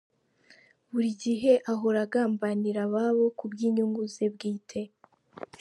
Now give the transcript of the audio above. Burigihe ahora agambanira ababo kubwi nyungu ze bwite.